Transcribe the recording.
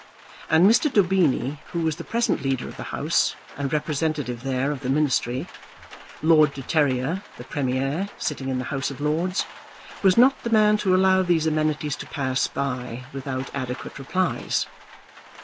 And Mr. Daubeny, who was the present leader of the House, and representative there of the Ministry, Lord de Terrier, the Premier, sitting in the House of Lords, was not the man to allow these amenities to pass by without adequate replies.